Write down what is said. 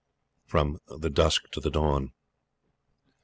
From the Dusk to the Dawn.